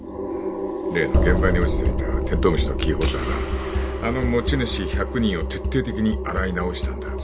例の現場に落ちていたテントウムシのキーホルダーなあの持ち主１００人を徹底的に洗い直したんだそ